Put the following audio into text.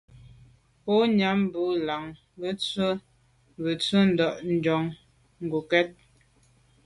Nkô nyam bo làn ke ntshùa bwe ntsho ndà njon ngokèt.